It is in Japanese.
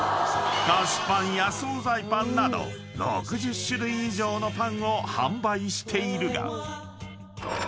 ［菓子パンや惣菜パンなど６０種類以上のパンを販売しているが］